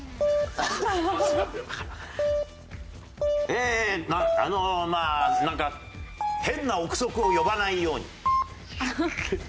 えーあのまあなんか変な臆測を呼ばないように。